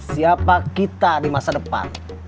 siapa kita di masa depan